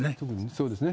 そうですね。